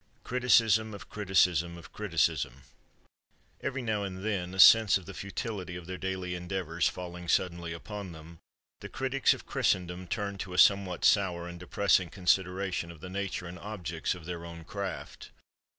CRITICISM OF CRITICISM OF CRITICISM Every now and then, a sense of the futility of their daily endeavors falling suddenly upon them, the critics of Christendom turn to a somewhat sour and depressing consideration of the nature and objects of their own craft.